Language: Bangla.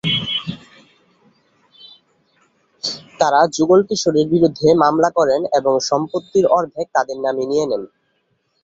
তারা যুগল কিশোরের বিরুদ্ধে মামলা করেন এবং সম্পত্তির অর্ধেক তাদের নামে নিয়ে নেন।